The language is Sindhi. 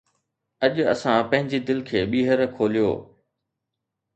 اڄ اسان پنهنجي دل کي ٻيهر کوليو